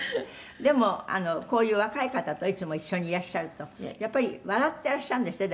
「でもこういう若い方といつも一緒にいらっしゃるとやっぱり笑ってらっしゃるんですって？」